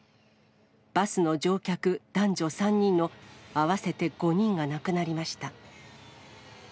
バスの乗客男女３人の合わせて５人が亡くなりました。